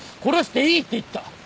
殺していいって言った！